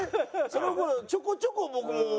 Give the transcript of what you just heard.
その頃ちょこちょこ僕も。